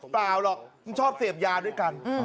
เปล่าหรอกมึงชอบเสพยาด้วยกัน